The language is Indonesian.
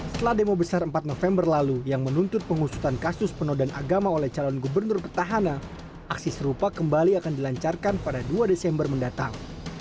setelah demo besar empat november lalu yang menuntut pengusutan kasus penodan agama oleh calon gubernur petahana aksi serupa kembali akan dilancarkan pada dua desember mendatang